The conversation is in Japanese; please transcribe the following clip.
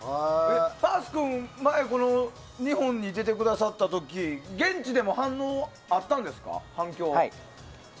パース君は前、日本で出てくださった時現地でも反響あったんですか？